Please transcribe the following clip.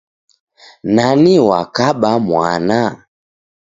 Nani wakabamwana?